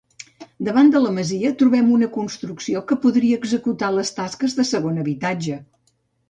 Davant de la masia trobem una construcció que podria executar les tasques de segon habitatge.